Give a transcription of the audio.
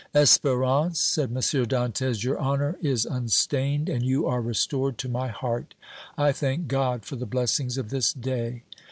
"Espérance," said M. Dantès, "your honor is unstained and you are restored to my heart. I thank God for the blessings of this day!"